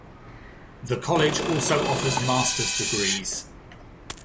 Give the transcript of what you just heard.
The college also offers master's degrees.